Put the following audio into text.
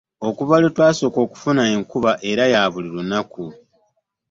Okuva lwe twasooka okufuna enkuba era ya buli lunaku.